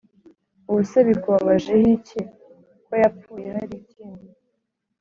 ubuse bikubabaje hiki ko yapfuye harikindi?"